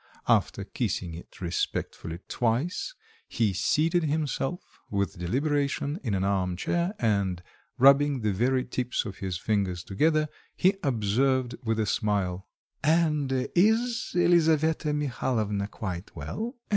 After kissing it respectfully twice he seated himself with deliberation in an arm chair, and rubbing the very tips of his fingers together, he observed with a smile "And is Elisaveta Mihalovna quite well?"